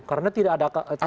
karena tidak ada aturan